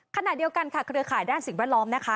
ขณะเดียวกันค่ะเครือข่ายด้านสิ่งแวดล้อมนะคะ